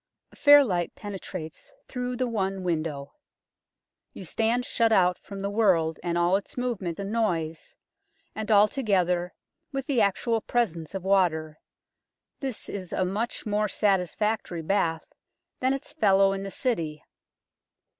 A fair light penetrates through the one window. You stand shut out from the world and all its movement and noise, and altogether, with the actual presence of water, this is a much more satisfactory bath than its fellow in the City.